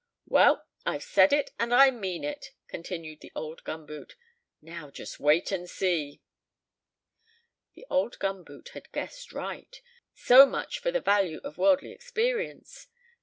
"Well, I've said it, and I mean it!" continued the old gum boot; "now just wait and see." The old gum boot had guessed aright so much for the value of worldly experience!